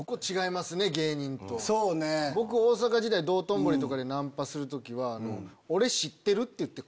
僕大阪時代道頓堀とかでナンパする時は。